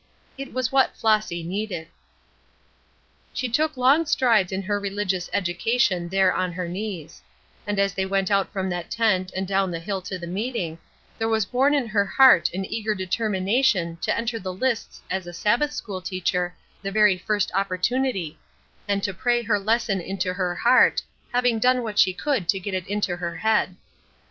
It was what Flossy needed. She took long strides in her religious education there on her knees; and as they went out from that tent and down the hill to the meeting, there was born in her heart an eager determination to enter the lists as a Sabbath school teacher the very first opportunity, and to pray her lesson into her heart, having done what she could to get it into her head.